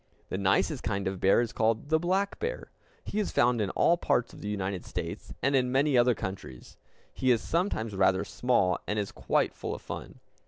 The nicest kind of bear is called the black bear. He is found in all parts of the United States, and in many other countries. He is sometimes rather small, and is quite full of fun.